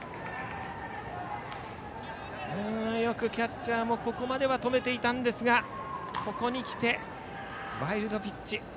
よくキャッチャーもここまでは止めていたんですがここに来てワイルドピッチ。